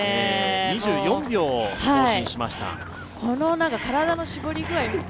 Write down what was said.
２４秒更新しました。